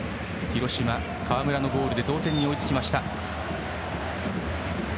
広島、川村のゴールで同点に追いつきました。